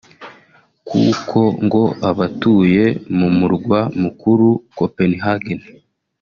kuko ngo abatuye mu murwa mukuru Copenhagen